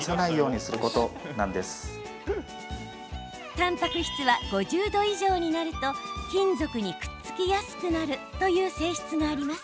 たんぱく質は５０度以上になると金属にくっつきやすくなるという性質があります。